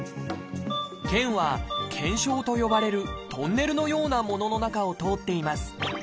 腱は「腱鞘」と呼ばれるトンネルのようなものの中を通っています。